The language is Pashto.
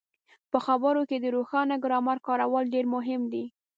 په خبرو کې د روښانه ګرامر کارول ډېر مهم دي.